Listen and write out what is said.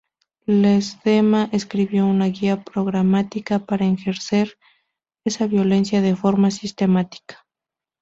Ledesma escribió una guía programática para ejercer esa violencia de forma sistemática.